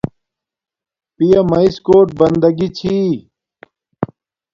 پیا میس کوٹ بندگی چھی